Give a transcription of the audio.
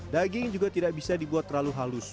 daging juga tidak bisa dibuat terlalu halus